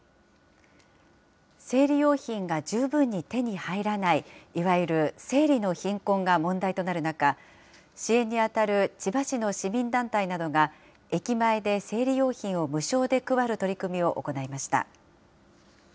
生理用品が十分に手に入らない、いわゆる生理の貧困が問題となる中、支援に当たる千葉市の市民団体などが、駅前で生理用品を無償で配る取り組みを行いました。